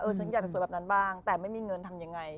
ฉันอยากจะสวยแบบนั้นบ้างแต่ไม่มีเงินทำยังไง